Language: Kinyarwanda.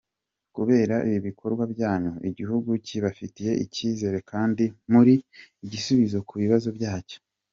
Kubera ibi bikorwa byanyu, igihugu kibafitiye icyizere kandi muri igisubizo ku bibazo byacyo.